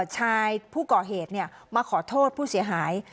ชายผู้ก่อเหตุมาขอโทษผู้เสียหาย